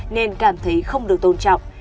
nên cảm thấy không được tôn trọng